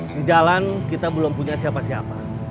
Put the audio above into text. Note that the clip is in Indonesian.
di jalan kita belum punya siapa siapa